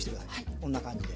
こんな感じで。